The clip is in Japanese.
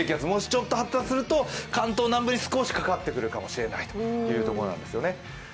もし、ちょっと発達すると関東南部に少しかかってくるかもしれないということです。